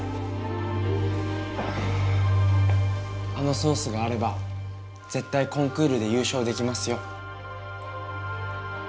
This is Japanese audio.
あのソースがあればぜっ対コンクールでゆう勝できますよ。